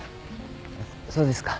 そうですか。